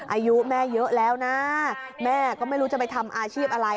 อายุแม่เยอะแล้วนะแม่ก็ไม่รู้จะไปทำอาชีพอะไร